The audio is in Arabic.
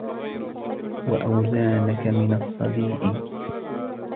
وَأَوْزَانَك مِنْ الصَّدِيءِ